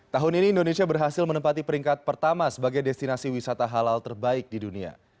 tahun ini indonesia berhasil menempati peringkat pertama sebagai destinasi wisata halal terbaik di dunia